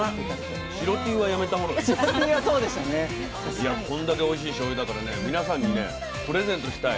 いやこんだけおいしいしょうゆだから皆さんにねプレゼントしたい。